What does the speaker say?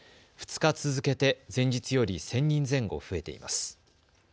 ２日続けて前日より１０００人前後増えています。